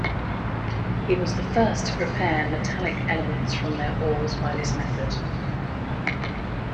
He was the first to prepare metallic elements from their ores by this method.